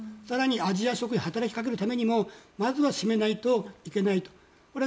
更に、アジア諸国に働きかけるためにもまずは閉めないといけないと。